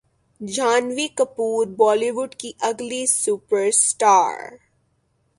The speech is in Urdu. جھانوی کپور بولی وڈ کی اگلی سپر اسٹار